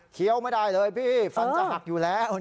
ไม่ได้เลยพี่ฟันจะหักอยู่แล้ว